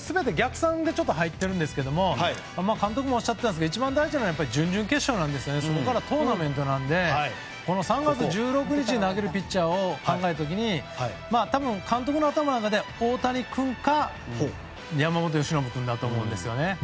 全て逆算で入っているんですけど監督もおっしゃっていたんですが一番大事なのは準々決勝でトーナメントなので３月１６日に投げるピッチャーを考えた時に監督の頭に大谷君か山本由伸君だと思うんですね。